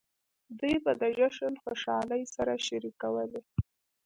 دوی به د جشن خوشحالۍ سره شریکولې.